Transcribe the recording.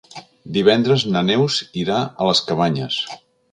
Divendres na Neus irà a les Cabanyes.